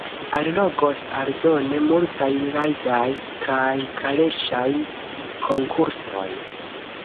Allogos aldone multaj rajdaj kaj kaleŝaj konkursoj.